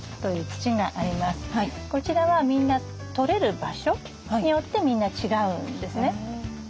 こちらはみんな採れる場所によってみんな違うんですね。